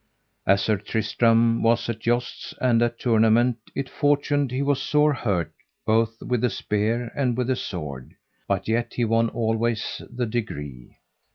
As Sir Tristram was at jousts and at tournament it fortuned he was sore hurt both with a spear and with a sword, but yet he won always the degree.